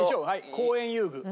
公園遊具。